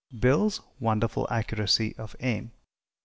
BILL'S WONDERFUL ACCURACY OF AIM.